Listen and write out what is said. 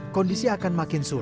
kondisi rumah ibu tidak akan berubah